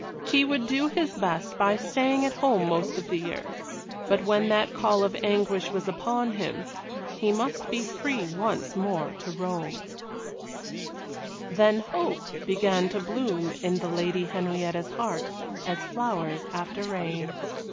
He would do his best by staying at home most of the year but when that call of anguish was upon him, he must be free once more to roam. Then hope began to bloom in the Lady Henrietta's heart as flowers after rain.